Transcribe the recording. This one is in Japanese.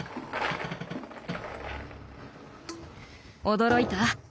驚いた？